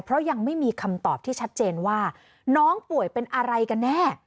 เพราะยังไม่มีคำตอบที่ชัดเจนว่าน้องป่วยเป็นอะไรกันแน่